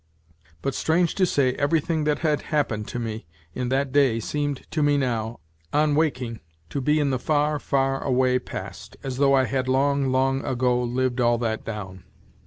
But strange to say, everything that had happened to me in that day seemed to me now, on waking, to be in the far, far away past, as though I had long, long ago lived all that down.